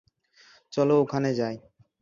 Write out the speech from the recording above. চল ওখানে যাই।